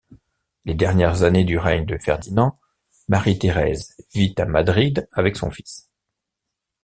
Les dernières années du règne de Ferdinand, Marie-Thérèse vit à Madrid avec son fils.